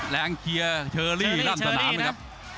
แรงเคียร์เชอรี่ลั้นสนามนะครับ